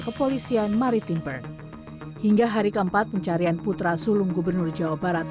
kepolisian maritim bern hingga hari keempat pencarian putra sulung gubernur jawa barat